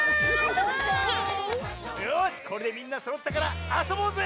よしこれでみんなそろったからあそぼうぜ！